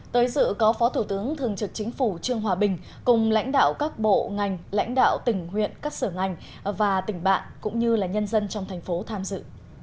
tới dự có phó thủ tướng thường trực chính phủ trương hòa bình cùng lãnh đạo các bộ ngành lãnh đạo tỉnh huyện các sở ngành và tỉnh bạn cũng như nhân dân trong thành phố tham dự